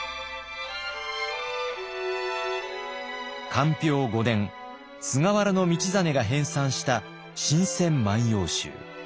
寛平五年菅原道真が編さんした「新撰万葉集」。